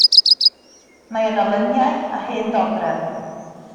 Mae yno luniau a hen ddodrefn.